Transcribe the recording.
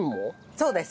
そうです。